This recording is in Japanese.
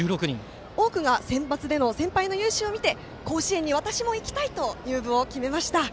多くがセンバツでの先輩の雄姿を見て甲子園に私も行きたいと入部を決めました。